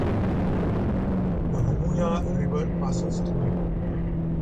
The Humuya River passes through it.